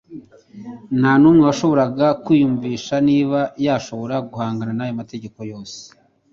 Nta n'umwe washoboraga kwiyumvisha niba yashobora guhangana n'ayo mategeko yose.